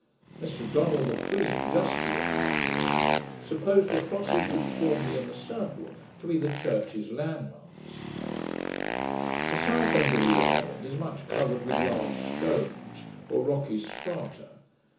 Mr Donald M'Queen, justly in my opinion, supposed the crosses which form the inner circle to be the church's land marks. The south end of the island is much covered with large stones or rocky strata.